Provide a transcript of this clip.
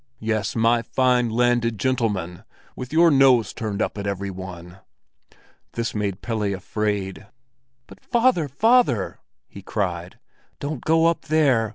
Yes, my fine landed gentleman, with your nose turned up at every one!" This made Pelle afraid. "But father, father!" he cried. "Don't go up there!